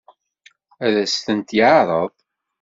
Ad as-tent-yeɛṛeḍ?